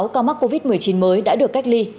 sáu ca mắc covid một mươi chín mới đã được cách ly